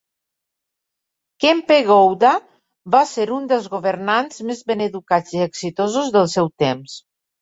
Kempe Gowda va ser un dels governants més ben educats i exitosos del seu temps.